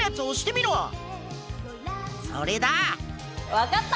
分かった！